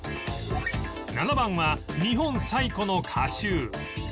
７番は日本最古の歌集